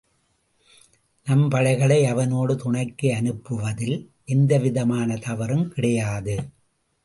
நம் படைகளை அவனோடு துணைக்கு அனுப்புவதில் எந்தவிதமான தவறும் கிடையாது.